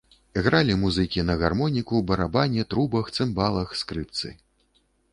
Гралі музыкі на гармоніку, барабане, трубах, цымбалах, скрыпцы.